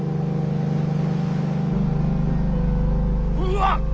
うわっ！